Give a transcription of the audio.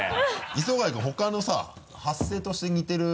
磯貝君ほかのさ発声として似てる。